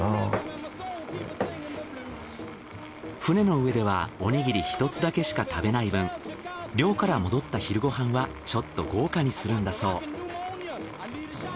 船の上ではおにぎり１つだけしか食べない分漁から戻った昼ご飯はちょっと豪華にするんだそう。